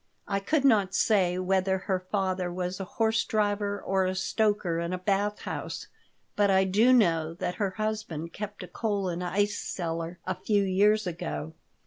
"I could not say whether her father was a horse driver or a stoker in a bath house, but I do know that her husband kept a coal and ice cellar a few years ago."